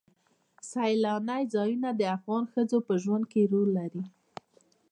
سیلانی ځایونه د افغان ښځو په ژوند کې رول لري.